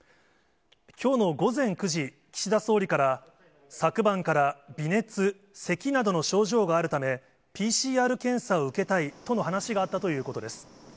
きょうの午前９時、岸田総理から、昨晩から微熱、せきなどの症状があるため、ＰＣＲ検査を受けたいとの話があったということです。